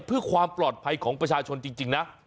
เพื่อความปลอดภัยของประชาชนจริงนะ